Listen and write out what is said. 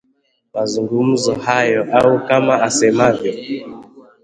Mazungumzo hayo au kama asemavyo